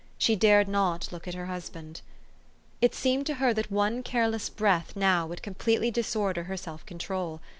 She dared not look at her husband. It seemed to her that one careless breath now would completely disorder her self control.